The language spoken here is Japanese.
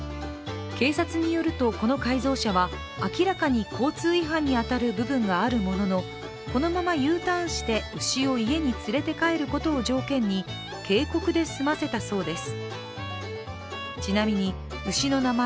警察によると、この改造車は明らかに交通違反に当たる部分があるもののこのままＵターンして牛を家に連れて帰ることを条件に警告で済ませたそうです。